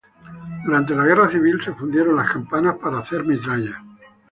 Durante la Guerra Civil se fundieron las campanas para hacer metralla.